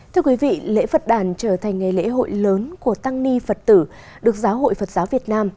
thưa quý vị lễ phật đàn trở thành ngày lễ hội lớn của tăng ni phật tử được giáo hội phật giáo việt nam